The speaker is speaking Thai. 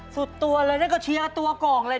สุดตัวเลยแล้วก็เชียร์ตัวโก่งเลย